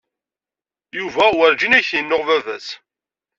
Yuba werǧin ay t-yennuɣ baba-s.